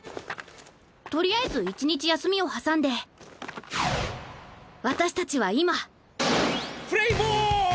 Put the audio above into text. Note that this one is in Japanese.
とりあえず１日休みを挟んで私たちは今プレーボール！